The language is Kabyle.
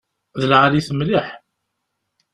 D lɛali-t mliḥ mliḥ.